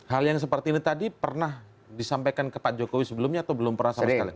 hal yang seperti ini tadi pernah disampaikan ke pak jokowi sebelumnya atau belum pernah sama sekali